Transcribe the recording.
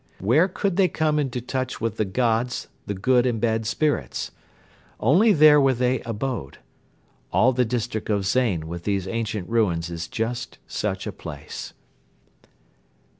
Where could they come into touch with the gods, the good and bad spirits? Only there where they abode. All the district of Zain with these ancient ruins is just such a place.